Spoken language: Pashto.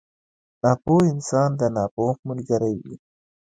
ناپوه انسان د ناپوه ملګری وي.